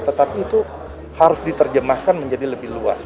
tetapi itu harus diterjemahkan menjadi lebih luas